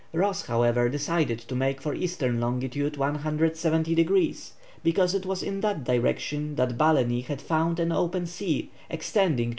Ross, however, decided to make for E. long. 170 degrees, because it was in that direction that Balleny had found an open sea extending to S.